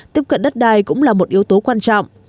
tiếp cận đất đai cũng là một yếu tố quan trọng